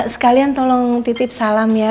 sekalian tolong titip salam ya